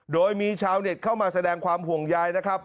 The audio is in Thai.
โดยมีชาวเน็ตเข้ามาแสดงความห่วงใยนะครับ